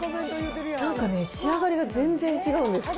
なんかね、仕上がりが全然違うんです。